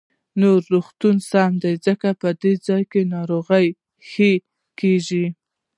نو روغتون سم دی، ځکه په دې ځاى کې ناروغان ښه کېږي.